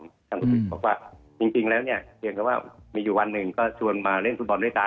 ทางกฤษบอกว่าจริงแล้วเนี่ยเพียงแต่ว่ามีอยู่วันหนึ่งก็ชวนมาเล่นฟุตบอลด้วยกัน